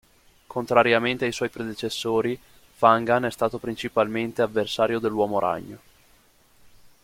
Contrariamente ai suoi predecessori, Fagan è stato principalmente avversario dell'Uomo Ragno.